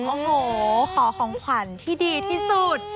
โอ้โหขอของขวัญที่ดีที่สุด